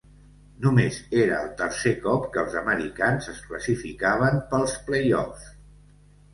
Només era el tercer cop que els americans es classificaven pels playoffs.